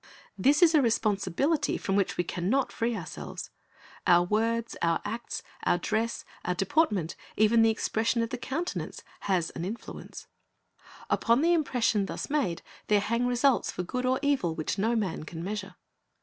This is a responsibility from which we can not free our selves. Our words, our acts, our dress, our deportment, even the expression of the countenance, has an influence. 1 Cant. 5 : lo, i6. 340 Christ's Object Lessons Upon the impression thus made there hang results for good or evil which no man can measure.